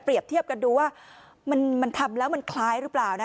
เทียบกันดูว่ามันทำแล้วมันคล้ายหรือเปล่านะ